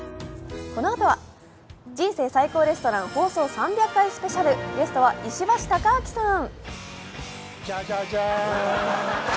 このあとは「人生最高レストラン」放送３００回スペシャル、ゲストは石橋貴明さん。